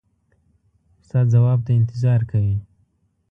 ستا ځواب ته انتظار کوي.